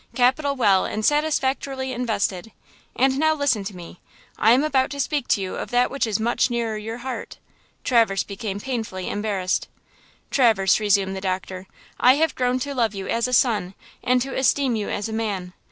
Capital well and satisfactory invested! And now listen to me! I am about to speak to you of that which is much nearer your heart–" Traverse became painfully embarrassed. "Traverse," resumed the doctor, "I have grown to love you as a son, and to esteem you as a man.